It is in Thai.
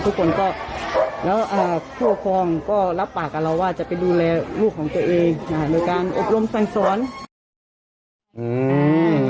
ผู้ปกครองก็รับบ่าเกลาว่าจะไปดูแลลูกของตัวเองอะ